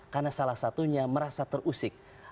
karena salah satunya merasa terusik